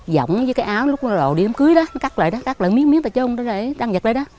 vỏng với cái áo lúc nó đồ đi làm cưới đó nó cắt lại đó cắt lại miếng miếng ta trôn đó để tan vật đây đó